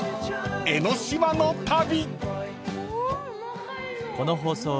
江の島の旅］